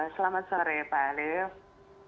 selamat sore pak alif